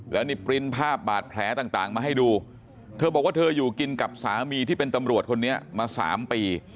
แล้วนี่ปริ้นภาพบาดแผลต่างมาให้ดูเธอบอกว่าเธออยู่กินกับสามีที่เป็นตำรวจคนนี้มา๓ปี